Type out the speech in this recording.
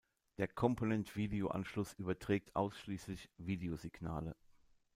Der Component-Video-Anschluss überträgt ausschließlich Videosignale.